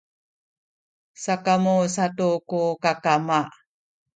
sakamu satu ku kakama